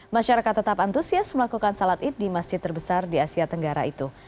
masyarakat tetap antusias melakukan salat id di masjid terbesar di asia tenggara itu